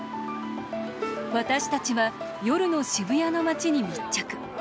私たちは夜の渋谷の街に密着。